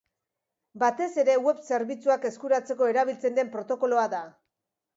Batez ere web zerbitzuak eskuratzeko erabiltzen den protokoloa da.